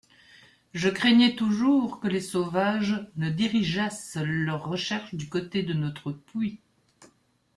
Je craignais toujours que les sauvages ne dirigeassent leurs recherches du côté de notre puits.